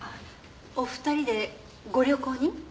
お２人でご旅行に？